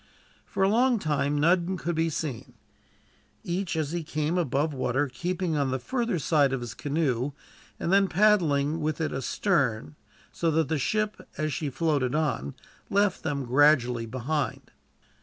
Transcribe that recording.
For a long time none could be seen, each as he came above water keeping on the further side of his canoe, and then paddling with it astern, so that the ship, as she floated on, left them gradually behind.